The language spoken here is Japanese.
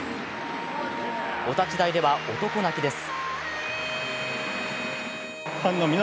お立ち台では男泣きです。